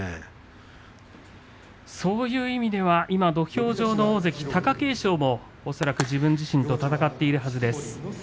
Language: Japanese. そういう意味では今土俵上の大関貴景勝も今、自分自身と戦っているはずです。